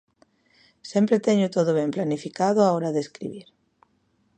Sempre teño todo ben planificado á hora de escribir.